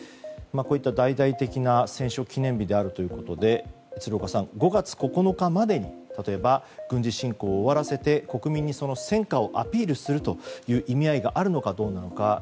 こういった大々的な戦勝記念日ということで鶴岡さん、５月９日までに例えば軍事侵攻を終わらせて、国民にその戦果をアピールするという意味合いがあるのかどうなのか。